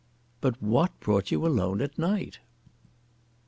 "But what brought you alone at night?"